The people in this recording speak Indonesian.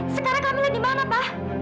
sekarang camilla dimana mbak